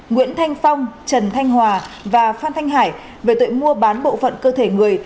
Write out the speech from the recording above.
nguyễn thanh phong trần thanh hòa và phan thanh hải về tội mua bán bộ phận cơ thể người